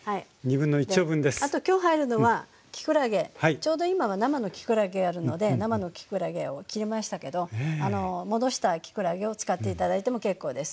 ちょうど今は生のきくらげがあるので生のきくらげを切りましたけど戻したきくらげを使って頂いても結構です。